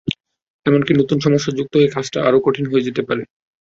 এমনকি নতুন সমস্যা যুক্ত হয়ে কাজটা আরও কঠিন হয়ে যেতে পারে।